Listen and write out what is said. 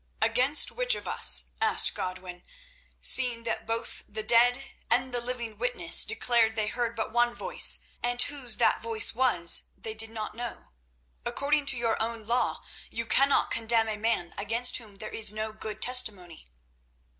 "Against which of us," asked Godwin, "seeing that both the dead and the living witness declared they heard but one voice, and whose that voice was they did not know? According to your own law, you cannot condemn a man against whom there is no good testimony."